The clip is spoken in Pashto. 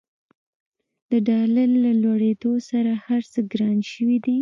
د ډالر له لوړېدولو سره هرڅه ګران شوي دي.